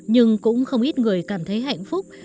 nhưng cũng không ít người cảm thấy hạnh phúc